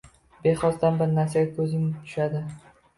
Bexosdan bir narsaga ko’zing tushadi